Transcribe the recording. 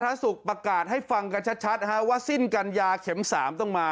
สุขประกาศให้ฟังกันชัดว่าสิ้นกันยาเข็ม๓ต้องมา